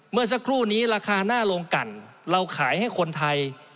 เมื่อสักครู่นี้ราคาหน้าโรงกันเราขายให้คนไทย